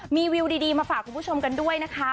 มีวิวดีมาฝากคุณผู้ชมกันด้วยนะคะ